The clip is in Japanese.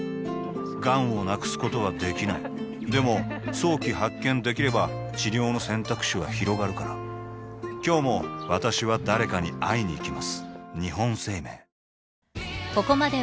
がんを無くすことはできないでも早期発見できれば治療の選択肢はひろがるから今日も私は誰かに会いにいきます